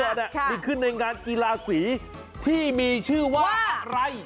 มีขึ้นในงานกีฬาสีที่มีชื่อว่าอะไร